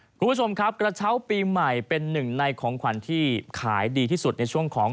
คุณผู้ชมครับกระเช้าปีใหม่เป็นหนึ่งในของขวัญที่ขายดีที่สุดในช่วงของ